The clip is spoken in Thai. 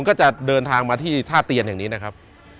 ก็จะเดินทางมาที่ท่าเตียนแห่งนี้นะครับ